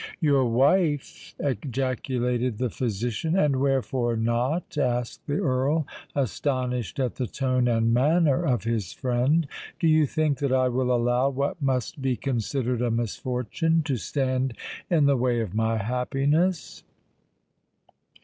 "Your wife!" ejaculated the physician. "And wherefore not?" asked the Earl, astonished at the tone and manner of his friend. "Do you think that I will allow what must be considered a misfortune to stand in the way of my happiness?"